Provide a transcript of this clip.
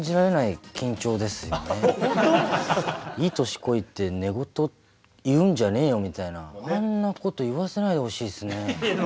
「いい年こいて寝言言うんじゃねえよ」みたいなあんなこと言わせないでほしいですね。